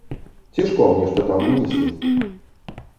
Цішком нешта там вынеслі.